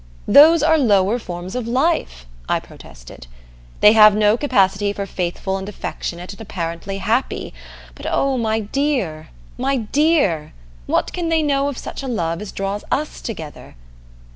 "Those are lower forms of life!" I protested. "They have no capacity for faithful and affectionate, and apparently happy but oh, my dear! my dear! what can they know of such a love as draws us together?